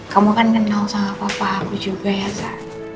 kamu kan kenal sama papa aku juga ya kak